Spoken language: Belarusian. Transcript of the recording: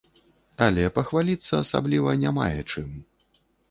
Але пахваліцца асабліва не мае чым.